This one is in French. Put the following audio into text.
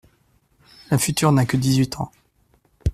La future n’a que dix-huit ans…